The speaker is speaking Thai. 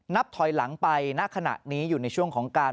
นับถอยหลังไปณขณะนี้อยู่ในช่วงของการ